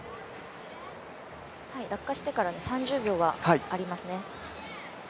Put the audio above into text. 落下してから３０秒はありますね。